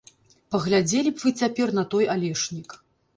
Паглядзелі б вы цяпер на той алешнік!